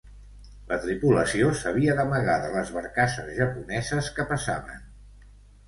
La tripulació s'havia d'amagar de les barcasses japoneses que passaven.